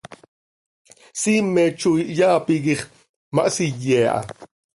Siimet zo hiyaa piquix, ma hsiye aha.